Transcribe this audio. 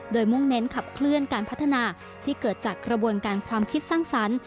โดยมุ่งเน้นขับเคลื่อนการพัฒนาที่เกิดจากกระบวนการความคิดสร้างสรรค์